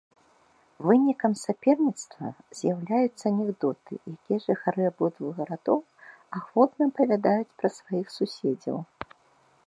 Вынікам саперніцтва з'яўляюцца анекдоты, якія жыхары абодвух гарадоў ахвотна апавядаюць пра сваіх суседзяў.